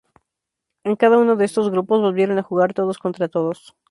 En cada uno de estos grupos volvieron a jugar todos contra todos.